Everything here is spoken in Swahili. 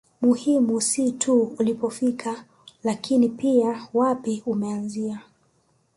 Muhimu si tu ulipofika lakini pia wapi umeanzia